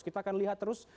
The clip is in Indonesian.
kita akan lihat terus